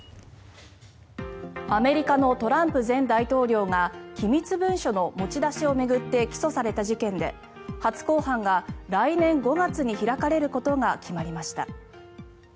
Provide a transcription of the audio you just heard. アメリカのトランプ前大統領が機密文書の持ち出しを巡って起訴された事件で初公判が来年５月に開かれることが決まりました。